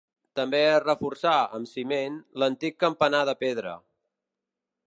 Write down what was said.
També es reforçà, amb ciment, l'antic campanar de pedra.